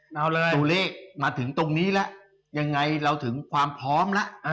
ตัวเลขมาถึงตรงนี้ละยังไงเราถึงความพร้อมละ